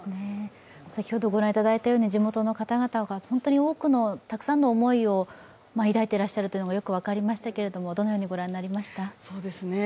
先ほどご覧いただいたように地元の方々は本当に多くのたくさんの思いを抱いてらっしゃるというのがよく分かりましたけれども、どのようにご覧になりました？